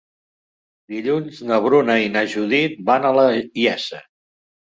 Dilluns na Bruna i na Judit van a la Iessa.